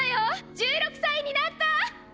１６歳になった！